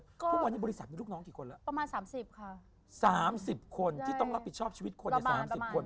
ทุกวันนี้บริษัทมีลูกน้องกี่คนแล้วประมาณสามสิบค่ะสามสิบคนที่ต้องรับผิดชอบชีวิตคนในสามสิบคน